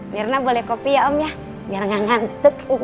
mirna boleh kopi ya om ya biar gak ngantuk